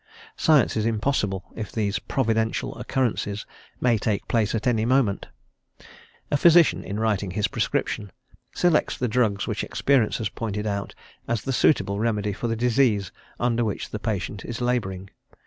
Science is impossible if these "providential occurrences" may take place at any moment. A physician, in writing his prescription, selects the drugs which experience has pointed out as the suitable remedy for the disease under which his patient is labouring.